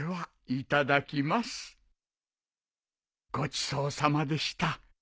ごちそうさまでした。